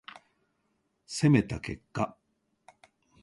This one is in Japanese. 攻めた結果